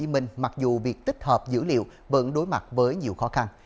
mình mặc dù việc tích hợp dữ liệu vẫn đối mặt với nhiều khó khăn